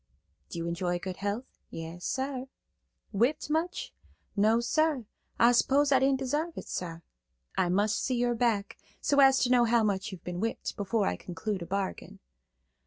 "Do you enjoy good health?" "Yas, sar." "Whipped much?" "No, sar. I s'pose I didn't desarve it, sar." "I must see your back, so as to know how much you've been whipped, before I conclude a bargain."